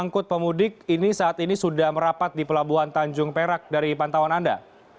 angkut pemudik ini saat ini sudah merapat di pelabuhan tanjung perak dari pantauan anda